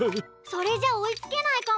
それじゃおいつけないかも。